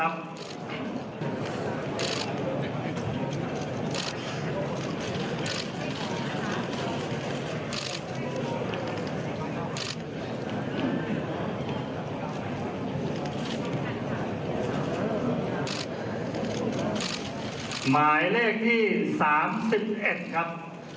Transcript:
หมายเลข๓๑ครับ